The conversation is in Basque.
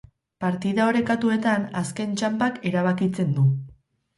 Partida orekatuetan, azken txanpak erabakitzen du.